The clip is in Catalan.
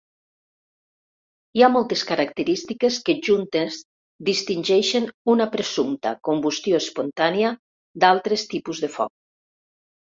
Hi ha moltes característiques que juntes distingeixen una presumpta combustió espontània d'altres tipus de foc.